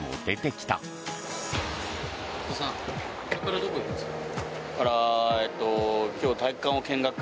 これからどこに行くんですか。